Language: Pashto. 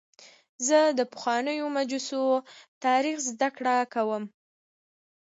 زه د پخوانیو مجسمو تاریخ زدهکړه کوم.